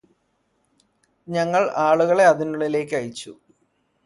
ഞങ്ങൾ ആളുകളെ അതിനുള്ളിലേക്ക് അയച്ചു